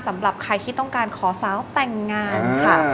สำหรับใครที่ต้องการขอสาวแต่งงานค่ะ